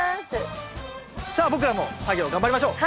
さあ僕らも作業頑張りましょう！